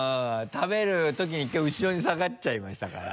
食べるときに１回後ろに下がっちゃいましたから。